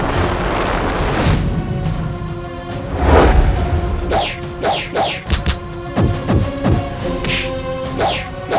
perpada distansi kita